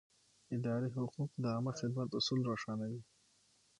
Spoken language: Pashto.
اداري حقوق د عامه خدمت اصول روښانوي.